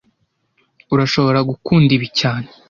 Urashobora gukunda ibi cyane